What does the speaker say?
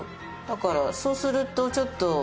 だからそうするとちょっと。